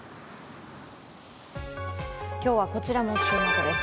今日はこちらも注目です